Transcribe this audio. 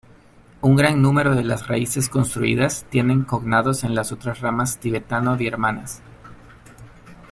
Un gran número de las raíces construidas tienen cognados en las otras ramas tibetano-biermanas.